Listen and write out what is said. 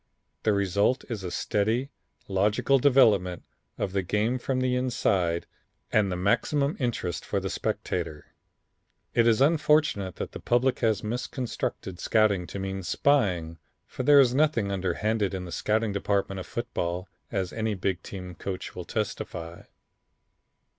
The result is a steady, logical development of the game from the inside and the maximum interest for the spectator. It is unfortunate that the public has misconstrued scouting to mean spying, for there is nothing underhanded in the scouting department of football as any big team coach will testify."